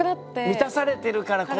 満たされてるからこそね。